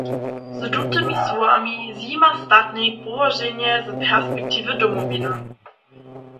Z tutymi słowami zjima Statnik połoženje z perspektiwy Domowiny.